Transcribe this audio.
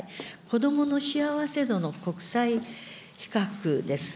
子どもの幸せ度の国際比較です。